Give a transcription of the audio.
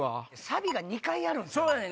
サビが２回あるんすよ。